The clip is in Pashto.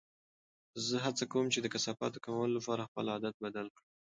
زه هڅه کوم چې د کثافاتو کمولو لپاره خپل عادت بدل کړم.